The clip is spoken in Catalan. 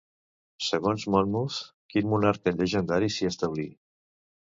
Segons Monmouth, quin monarca llegendari s'hi establí?